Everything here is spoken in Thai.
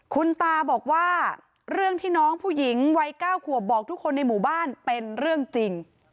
คุณตาบอกว่าเรื่องที่น้องผู้หญิงวัย๙ขวบบอกทุกคนในหมู่บ้านเป็นเรื่องจริง